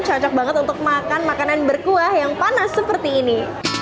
cocok banget untuk makan makanan berkuah yang panas seperti ini